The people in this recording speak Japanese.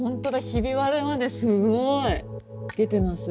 ひび割れまですごい！出てます。